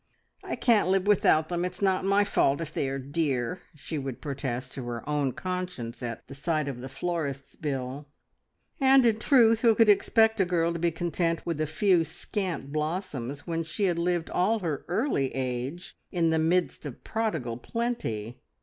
"I can't live without them. It's not my fault if they are dear!" she would protest to her own conscience at the sight of the florist's bill. And in truth, who could expect a girl to be content with a few scant blossoms when she had lived all her early age in the midst of prodigal plenty!